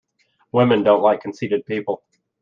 Women don't like conceited people.